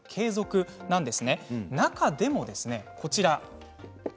中でも、こちらです。